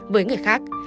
với người khác